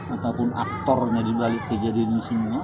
ataupun aktornya di balik kejadian ini semua